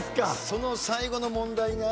その最後の問題が？